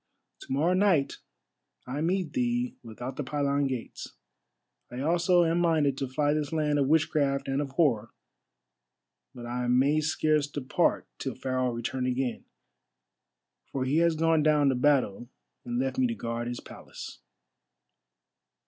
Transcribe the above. "To morrow night I meet thee without the pylon gates. I also am minded to fly this land of witchcraft and of horror, but I may scarce depart till Pharaoh return again. For he has gone down to battle and left me to guard his palace."